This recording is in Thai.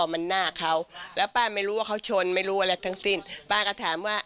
มันหน้าเขาแล้วป้าไม่รู้ว่าเขาชนไม่รู้อะไรทั้งสิ้นป้าก็ถามว่า